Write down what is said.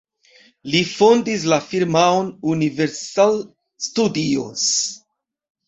Li fondis la firmaon Universal Studios.